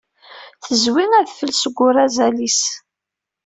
Tezwi adfel seg urazal-is.